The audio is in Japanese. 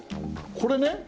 これね